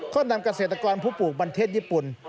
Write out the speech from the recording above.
ก็นำเกษตรกรผู้ปลูกบรรเทศญี่ปุ่น